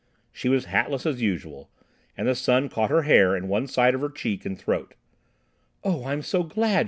She was hatless as usual, and the sun caught her hair and one side of her cheek and throat. "Oh, I'm so glad!"